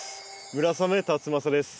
村雨辰剛です。